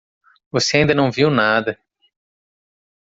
Você ainda não viu nada.